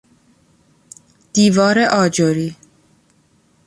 دیوار آجری